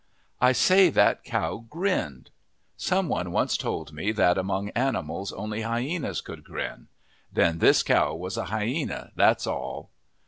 I say that cow grinned. Some one once told me that among animals only hyenas could grin. Then this cow was a hyena, that's all.